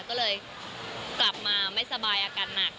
ก็เลยกลับมาไม่สบายอาการหนัก